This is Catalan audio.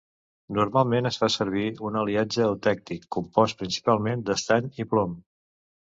Normalment es fa servir un aliatge eutèctic compost principalment d'estany i plom.